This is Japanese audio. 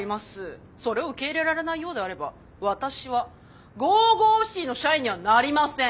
それを受け入れられないようであれば私はＧＯＧＯＣＩＴＹの社員にはなりません。